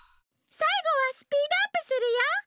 さいごはスピードアップするよ！